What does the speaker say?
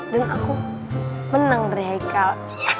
dan aku menang dari haikal